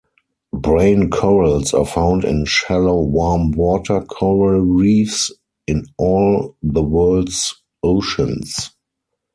Brain corals are found in shallow warm-water coral reefs in all the world's oceans.